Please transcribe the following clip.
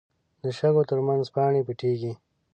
د شګو تر منځ پاڼې پټېږي